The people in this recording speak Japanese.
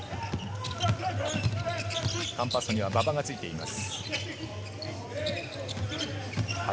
カンパッソには馬場がついています。